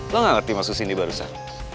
lo nggak ngerti mas sindi barusan